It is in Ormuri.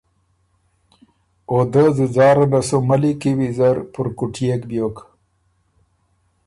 او دۀ ځُځاره نه سُو ملّی کی ویزر پُرکټيېک بیوک